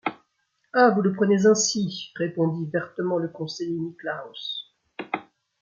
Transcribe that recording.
Ah ! vous le prenez ainsi, répondit vertement le conseiller Niklausse.